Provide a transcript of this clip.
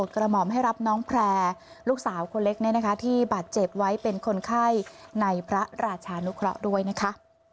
กระหม่อมให้รับน้องแพร่ลูกสาวคนเล็กที่บาดเจ็บไว้เป็นคนไข้ในพระราชานุเคราะห์ด้วยนะคะ